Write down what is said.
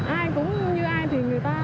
ai cũng như ai